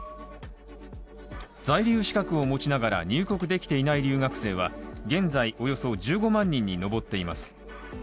在留資格を持ちながら入国できていない留学生は現在およそ１５万人に上っています。